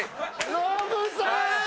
ノブさん！